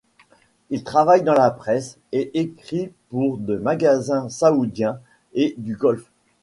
Il travaille dans la presse et écrit pour de magazines Saoudiens et du Golfe.